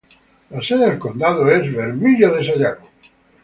La sede del condado es Fayetteville.